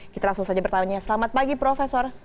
kita langsung saja bertanya selamat pagi profesor